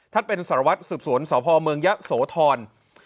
ทัศน์เป็นสารวัสดิ์สืบสวนสภเมืองยะโสทร